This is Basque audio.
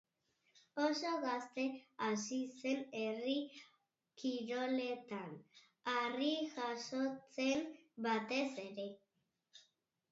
Oso gazte hasi zen herri kiroletan, harri jasotzen batez ere.